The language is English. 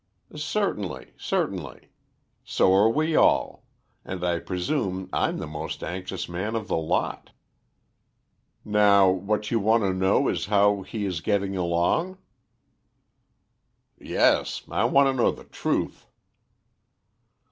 "Certainly, certainly. So are we all, and I presume I'm the most anxious man of the lot. Now what you want to know is how he is getting along?" "Yes; I want to know the truth."